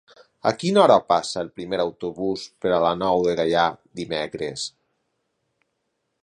A quina hora passa el primer autobús per la Nou de Gaià dimecres?